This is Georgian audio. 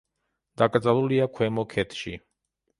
დაკრძალულია ქვემო ქედში.